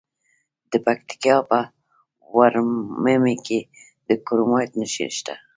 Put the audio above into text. د پکتیکا په ورممی کې د کرومایټ نښې شته.